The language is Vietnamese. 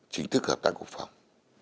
chính thức hợp tác cục phòng